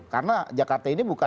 karena jakarta ini bukan